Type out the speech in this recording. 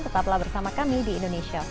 tetaplah bersama kami di indonesia for now